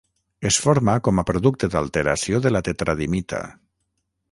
Es forma com a producte d'alteració de la tetradimita.